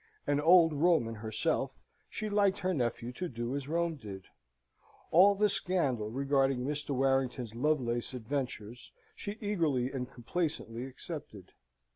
An old Roman herself, she liked her nephew to do as Rome did. All the scandal regarding Mr. Warrington's Lovelace adventures she eagerly and complacently accepted.